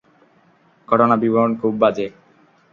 ঘটনা বিবরণ খুব বাজে।